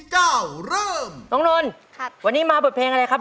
คลิปที่๑ยกที่๙เริ่ม